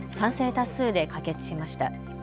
多数で可決しました。